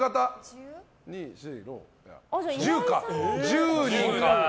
１０人か。